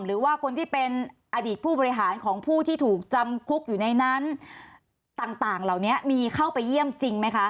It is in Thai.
หรือว่าคนที่เป็นอดีตผู้บริหารของผู้ที่ถูกจำคุกอยู่ในนั้นต่างเหล่านี้มีเข้าไปเยี่ยมจริงไหมคะ